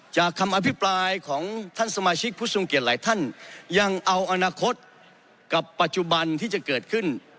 คำอภิปรายของท่านสมาชิกผู้ทรงเกียจหลายท่านยังเอาอนาคตกับปัจจุบันที่จะเกิดขึ้น